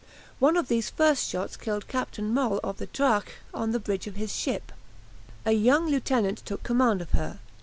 One of these first shots killed Captain Moll of the "Drache" on the bridge of his ship. A young lieutenant took command of her.